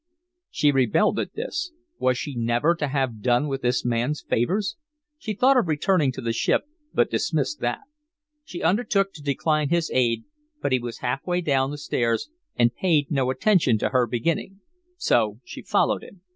She rebelled at this. Was she never to have done with this man's favors? She thought of returning to the ship, but dismissed that. She undertook to decline his aid, but he was half way down the stairs and paid no attention to her beginning so she followed him.